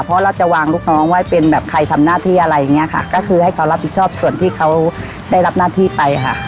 เพราะเราจะวางลูกน้องไว้เป็นแบบใครทำหน้าที่อะไรอย่างเงี้ยค่ะก็คือให้เขารับผิดชอบส่วนที่เขาได้รับหน้าที่ไปค่ะ